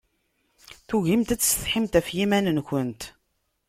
Tugimt ad tsetḥimt ɣef yiman-nkent.